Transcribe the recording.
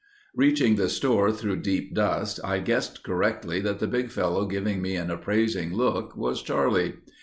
Reaching the store through deep dust, I guessed correctly that the big fellow giving me an appraising look was Charlie.